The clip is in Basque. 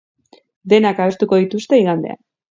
Denak abestuko dituzte igandean.